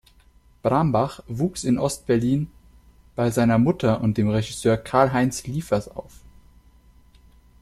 Brambach wuchs in Ost-Berlin bei seiner Mutter und dem Regisseur Karlheinz Liefers auf.